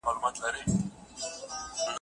د لالا غاړه دې مه ګنډه په سنډو